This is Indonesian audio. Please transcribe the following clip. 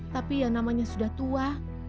tapi yang namanya sudah tua